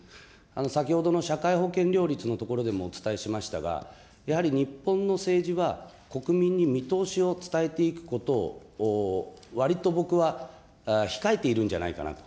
先ほどの社会保険料率のところでもお伝えしましたが、やはり日本の政治は、国民に見通しを伝えていくことをわりと僕は控えているんじゃないかなと。